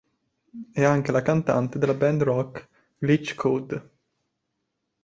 È anche la cantante della band rock "Glitch Code".